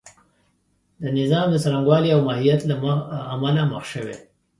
د نظام د څرنګوالي او ماهیت له امله مخ شوې.